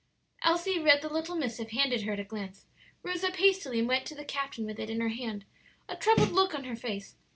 Elsie read the little missive handed her at a glance, rose up hastily, and went to the captain with it in her hand, a troubled look on her face.